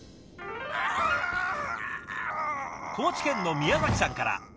高知県の宮さんから。